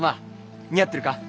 似合ってるか。